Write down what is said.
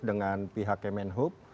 dengan pihak kemenhub